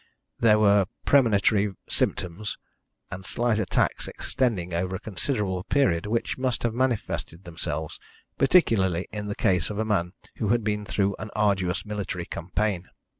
There were premonitory symptoms and slight attacks extending over a considerable period, which must have manifested themselves, particularly in the case of a man who had been through an arduous military campaign.